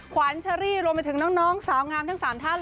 ขวานชรีรวมมาถึงน้องสาวงามทั้ง๓ท่าน